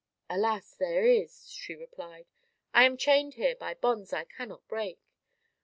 "Alas! there is," she replied. "I am chained here by bonds I cannot break.